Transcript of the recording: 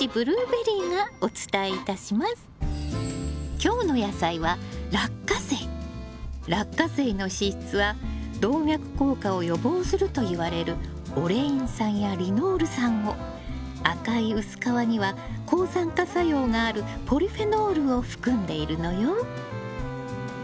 今日の野菜はラッカセイの脂質は動脈硬化を予防するといわれるオレイン酸やリノール酸を赤い薄皮には抗酸化作用があるポリフェノールを含んでいるのよ。